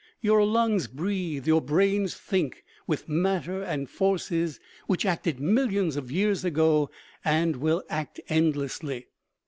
Your lungs breathe, your brains think, with matter and forces which acted millions of years ago and will act endlessly.